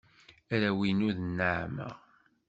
Arraw-inu d nneɛma.